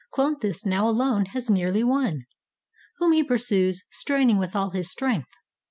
Cloanthus now alone has nearly won, Whom he pursues, straining with all his strength.